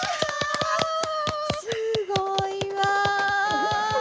すごいわ！